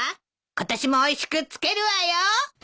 今年もおいしく漬けるわよ。